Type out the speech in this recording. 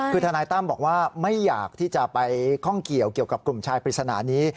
คือทนายตั้มบอกว่าไม่อยากที่จะไปข้องเกี่ยวเกี่ยวกับกลุ่มชายปริศนานี้